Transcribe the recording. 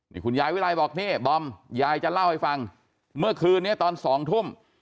นี่คุณยายวิรัยบอกนี่บอมยายจะเล่าให้ฟังเมื่อคืนนี้ตอน๒ทุ่ม